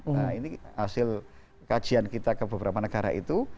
nah ini hasil kajian kita ke beberapa negara itu